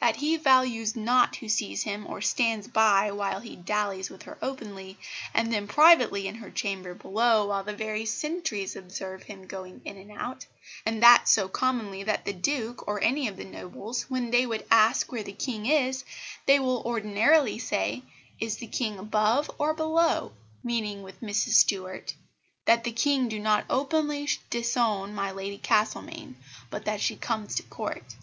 That he values not who sees him, or stands by while he dallies with her openly; and then privately in her chamber below, while the very sentrys observe him going in and out; and that so commonly that the Duke, or any of the Nobles, when they would ask where the King is, they will ordinarily say, 'Is the King above or below?' meaning with Mrs Stuart; that the King do not openly disown my Lady Castlemaine, but that she comes to Court."